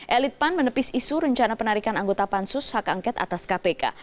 elit pan menepis isu rencana penarikan anggota pansus hak angket atas kpk